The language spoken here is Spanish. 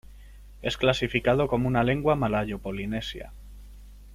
Es clasificado como una lengua malayo-polinesia.